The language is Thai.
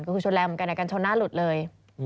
ก็คือชนแรงเหมือนกันในการชนหน้าหลุดเลย